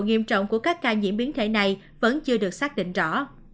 nghiêm trọng của các ca nhiễm biến thể này vẫn chưa được xác định rõ